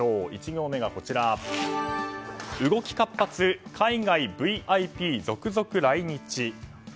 １行目は、動き活発海外ＶＩＰ続々来日。